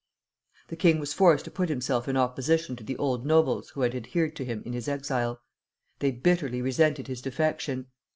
The king was forced to put himself in opposition to the old nobles who had adhered to him in his exile. They bitterly resented his defection.